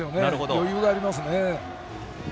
余裕がありますね。